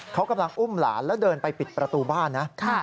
เขากำลังอุ้มหลานแล้วเดินไปปิดประตูบ้านนะ